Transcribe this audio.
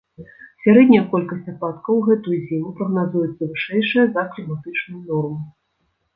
Сярэдняя колькасць ападкаў у гэтую зіму прагназуецца вышэйшая за кліматычную норму.